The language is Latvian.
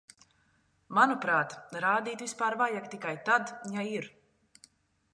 Manuprāt, radīt vispār vajag tikai tad, ja ir.